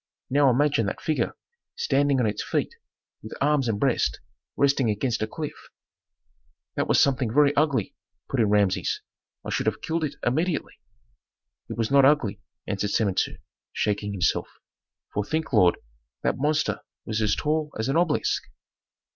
Now imagine that figure standing on its feet with arms and breast resting against a cliff " "That was something very ugly," put in Rameses; "I should have killed it immediately." "It was not ugly," answered Samentu, shaking himself. "For think, lord, that monster was as tall as an obelisk."